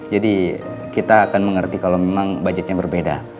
jadi kita akan mengerti kalo memang budgetnya berbeda